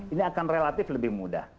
ini akan relatif lebih mudah